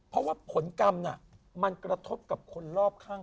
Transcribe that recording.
เพราะว่าผลกรรมน่ะมันกระทบกับคนรอบข้าง